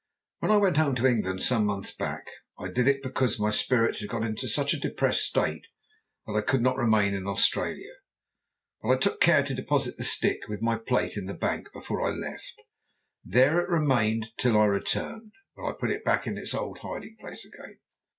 When I went home to England some months back, I did it because my spirits had got into such a depressed state that I could not remain in Australia. But I took care to deposit the stick with my plate in the bank before I left. There it remained till I returned, when I put it back in its old hiding place again.